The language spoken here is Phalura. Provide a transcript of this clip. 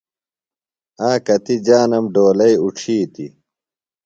آکتیۡ جانم ڈولئی اُڇِھیتیۡ۔